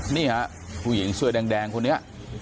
นี่ฮะผู้หญิงเสื้อแดงคนนี้